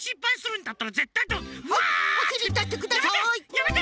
やめて！